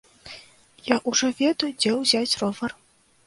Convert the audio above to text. Я ўжо ведаю, дзе ўзяць ровар.